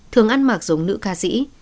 thường ăn mặc giống nữ ca sĩ